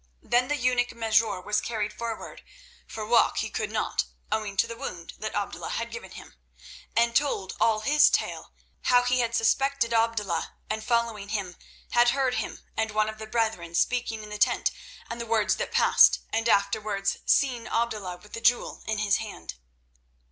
Then the eunuch Mesrour was carried forward, for walk he could not, owing to the wound that Abdullah had given him, and told all his tale, how he had suspected Abdullah, and, following him, had heard him and one of the brethren speaking in the tent, and the words that passed, and afterwards seen Abdullah with the jewel in his hand.